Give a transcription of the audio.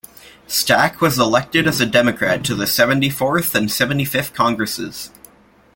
Stack was elected as a Democrat to the Seventy-fourth and Seventy-fifth Congresses.